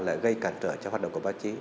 lại gây cản trở cho hoạt động của báo chí